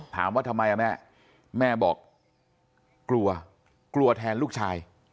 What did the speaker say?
ถามว่าทำไมอ่ะแม่แม่บอกกลัวกลัวแทนลูกชาย